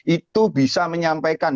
itu bisa menyampaikan